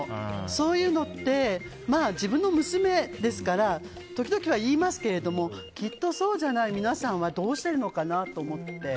そういうのって自分の娘ですから時々は言いますけれどもきっと、そうじゃない皆さんはどうしているのかなと思って。